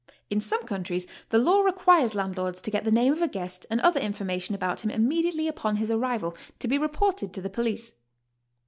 In some countries the law requires landlords to get the name of a guest and other information about him immediately upon his arrival, to be reported to the police.